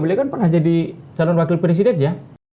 beliau kan pernah jadi calon wakil presiden ya